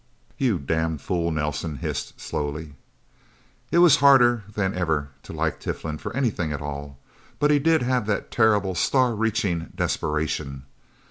"You damned fool!" Nelsen hissed slowly. It was harder than ever to like Tiflin for anything at all. But he did have that terrible, star reaching desperation.